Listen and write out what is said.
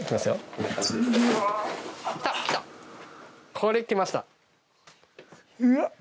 これ、来ました。